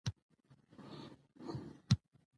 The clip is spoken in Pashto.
حسینه لور می کال ته لمړی ټولګي کی داخلیدوم